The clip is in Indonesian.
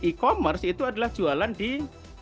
sementara jualan di e commerce itu adalah jualan di e commerce